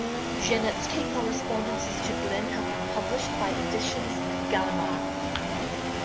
Genet's key correspondences to Blin have been published by Editions Gallimard.